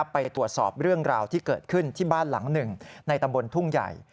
ไปตรวจสอบเรื่องราวที่เกิดขึ้นที่บ้านหลังหนึ่งในตำบลทุ่งใหญ่